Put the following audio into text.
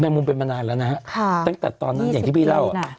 มุมเป็นมานานแล้วนะฮะตั้งแต่ตอนนั้นอย่างที่พี่เล่า